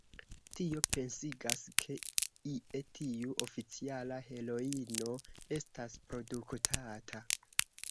Tio pensigas, ke ie tiu oficiala heroino estas produktata.